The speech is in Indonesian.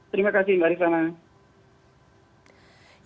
terima kasih mbak rifana